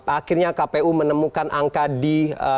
akhirnya kpu menemukan angka di dua puluh lima